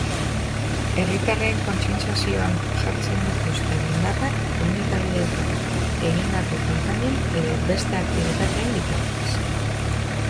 Herritarren kontzientziazioan jartzen dituzte indarrak, komunikabideetan egindako kanpainen edo beste aktibitateen bitartez.